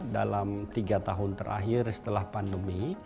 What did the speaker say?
dalam tiga tahun terakhir setelah pandemi